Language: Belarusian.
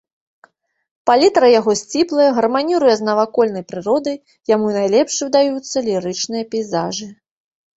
Палітра яго сціплая, гарманіруе з навакольнай прыродай, яму найлепш удаюцца лірычныя пейзажы.